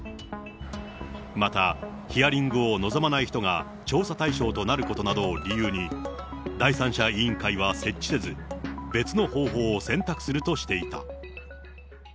またヒアリングを望まない人が調査対象となることなどを理由に第三者委員会は設置せず、別の方法を選択するとしていた。